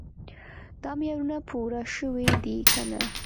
دا معیارونه پوره شوي دي که نه.